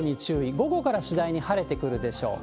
午後から次第に晴れてくるでしょう。